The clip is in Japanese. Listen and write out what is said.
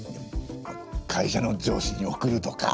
会社の上司に贈るとか？